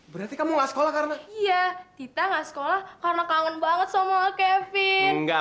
berarti kamu nggak sekolah karena kita nggak sekolah karena kangen banget sama kevin nggak